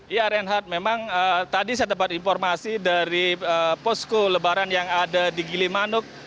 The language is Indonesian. ya reinhardt memang tadi saya dapat informasi dari posko lebaran yang ada di gilimanuk